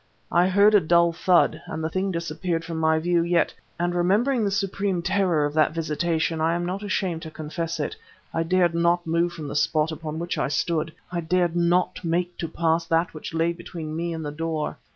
I heard a dull thud ... and the thing disappeared from my view, yet and remembering the supreme terror of that visitation I am not ashamed to confess it I dared not move from the spot upon which I stood, I dared not make to pass that which lay between me and the door.